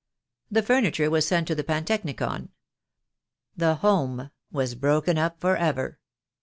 The furniture was sent to the Pantechnicon. The home was broken up for ever."